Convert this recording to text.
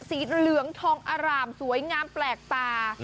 สีเหลืองทองอร่ามสวยงามแปลกตา